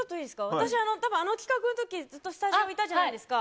私、あの企画の時ずっとスタジオにいたじゃないですか。